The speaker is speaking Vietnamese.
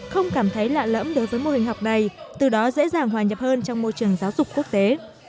không cảm thấy lạ lẫm đối với mô hình học này từ đó dễ dàng hòa nhập hơn trong môi trường giáo dục quốc tế